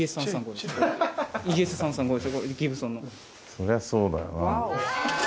そりゃそうだよな。